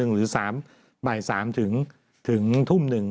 หรือ๓บ่าย๓ถึงทุ่ม๑